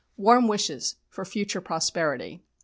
Warm wishes for future prosperity.